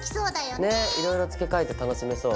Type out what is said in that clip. ねっいろいろつけ替えて楽しめそう。